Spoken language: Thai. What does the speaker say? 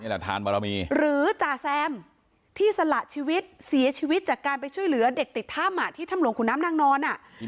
ทานบารมีหรือจ่าแซมที่สละชีวิตเสียชีวิตจากการไปช่วยเหลือเด็กติดถ้ำที่ถ้ำหลวงขุนน้ำนางนอน